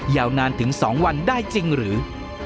ยาวนานถึง๒วันได้จริงหรือ